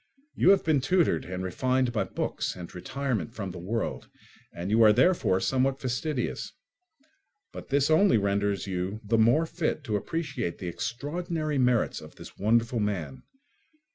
You have been tutored and refined by books and retirement from the world, and you are therefore somewhat fastidious; but this only renders you the more fit to appreciate the extraordinary merits of this wonderful man.